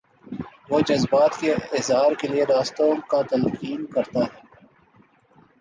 وہ جذبات کے اظہار کے لیے راستوں کا تعین کرتا ہے۔